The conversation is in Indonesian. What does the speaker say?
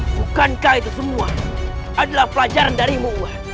bukankah itu semua adalah pelajaran darimu